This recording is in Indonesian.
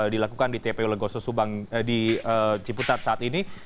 dilakukan di tpu legoso subang di ciputat saat ini